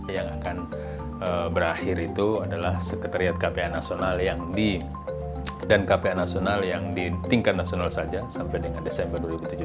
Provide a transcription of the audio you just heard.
yang akan berakhir itu adalah sekretariat kpa nasional yang di dan kpa nasional yang di tingkat nasional saja sampai dengan desember dua ribu tujuh belas